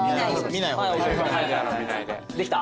できた？